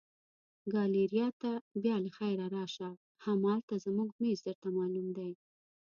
ګالیریا ته بیا له خیره راشه، همالته زموږ مېز درته معلوم دی.